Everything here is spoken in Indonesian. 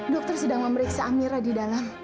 dokter sedang memeriksa amira di dalam